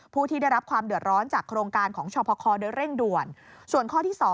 ผู้ที่ได้รับความเดือดร้อนจากโครงการของชพครด้วยเร่งด่วน